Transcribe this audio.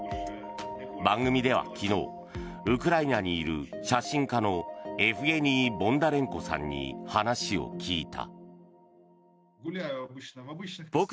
番組では昨日ウクライナにいる写真家のエフゲニー・ボンダレンコさんに話を聞いた。